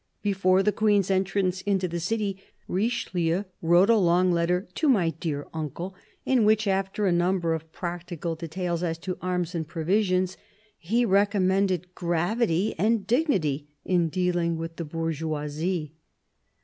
Before the Queen's entrance into the city, Richelieu wrote a long letter to " my dear Uncle," in which, after a number of practical details as to arms and provisions, he recommended gravity and dignity in dealing with the bourgeoisie.